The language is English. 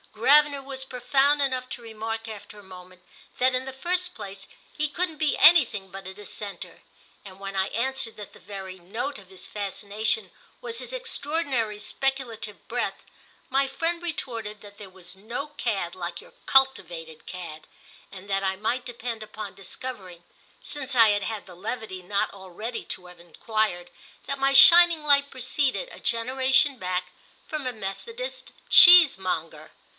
Gravener was profound enough to remark after a moment that in the first place he couldn't be anything but a Dissenter, and when I answered that the very note of his fascination was his extraordinary speculative breadth my friend retorted that there was no cad like your cultivated cad, and that I might depend upon discovering—since I had had the levity not already to have enquired—that my shining light proceeded, a generation back, from a Methodist cheesemonger.